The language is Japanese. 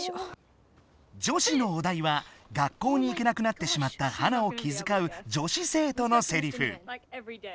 女子のおだいは学校に行けなくなってしまったハナを気づかう女子せいとのセリフ。